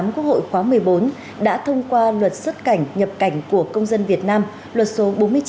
quốc hội khóa một mươi bốn đã thông qua luật xuất cảnh nhập cảnh của công dân việt nam luật số bốn mươi chín